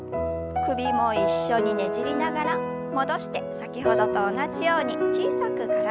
首も一緒にねじりながら戻して先ほどと同じように小さく体をねじります。